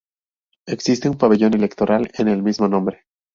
Existe un pabellón electoral en el mismo nombre.